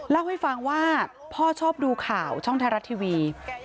เล่าให้ฟังว่าพ่อชอบดูข่าวช่องไทยรัฐทีวี